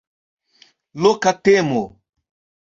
Loka temo.